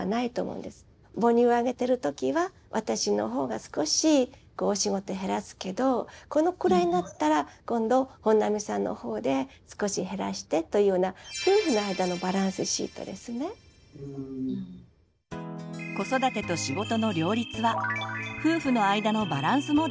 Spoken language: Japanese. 母乳あげてる時は私のほうが少しお仕事減らすけどこのくらいになったら今度本並さんのほうで少し減らしてというような子育てと仕事の両立は夫婦の間のバランスも大事。